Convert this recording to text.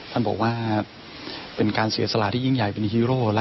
ท่านบอกว่าเป็นการเสียสละที่ยิ่งใหญ่เป็นฮีโร่แล้ว